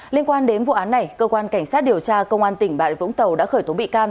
liên quan đến vụ án này cơ quan cảnh sát điều tra công an tỉnh bà rịa vũng tàu đã khởi tố bị can